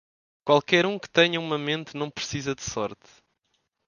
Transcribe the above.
Qualquer um que tenha uma mente não precisa de sorte.